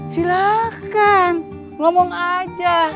silahkan ngomong aja